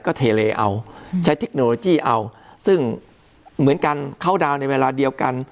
ก็เทเลเอาใช้เทคโนโลยีเอาซึ่งเหมือนกันเข้าดาวน์ในเวลาเดียวกัน